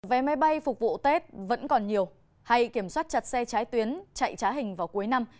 vé máy bay phục vụ tết vẫn còn nhiều hay kiểm soát chặt xe trái tuyến chạy trái hình vào cuối năm